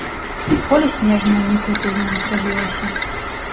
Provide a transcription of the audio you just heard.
Поле снежнае непрытульным зрабілася.